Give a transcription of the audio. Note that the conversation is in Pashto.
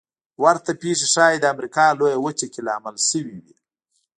ورته پېښې ښايي د امریکا لویه وچه کې لامل شوې وي.